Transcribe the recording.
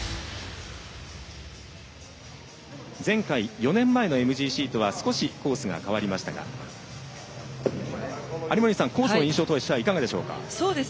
前回、４年前のＭＧＣとは少しコースが変わりましたが有森さん、コースの印象はいかがですか？